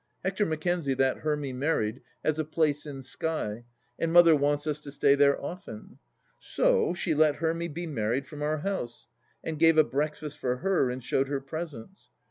Hector Mackenzie, that Hermy married, has a place in Skye, and Mother wants us to stay there often. So she let Hermy be married from our house, and gave a breakfast for her and showed her presents.